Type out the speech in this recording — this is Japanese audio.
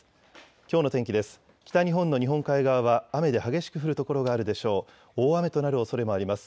きょうの天気です。